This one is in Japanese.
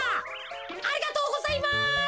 ありがとうございます。